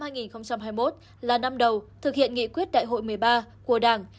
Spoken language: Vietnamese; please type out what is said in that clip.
năm hai nghìn hai mươi một là năm đầu thực hiện nghị quyết đại hội một mươi ba của đảng